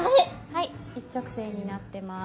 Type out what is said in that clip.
はい一直線になってます。